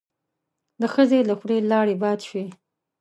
د ښځې له خولې لاړې باد شوې.